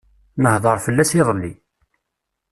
Nehder fell-as iḍelli.